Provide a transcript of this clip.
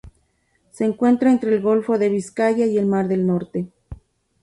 Se encuentra entre el Golfo de Vizcaya y el Mar del Norte.